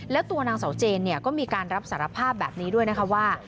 แล้วตัวนางเสาเจนก็มีการรับสารภาพแบบนี้ด้วยนะคะว่า